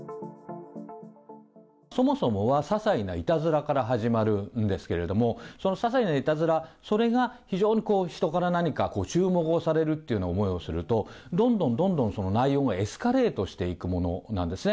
そもそもはささいないたずらから始まるんですけれども、そのささいないたずら、それが非常に人から何か注目をされるというような思いをすると、どんどんどんどん内容がエスカレートしていくものなんですね。